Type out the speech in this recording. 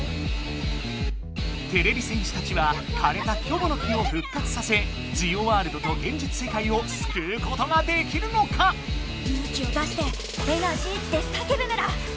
てれび戦士たちはかれたキョボの木を復活させジオワールドと現実世界をすくうことができるのか⁉勇気を出して「エナジー」ってさけぶメラ！